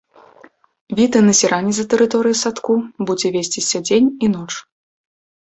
Відэаназіранне за тэрыторыяй садку будзе весціся дзень і ноч.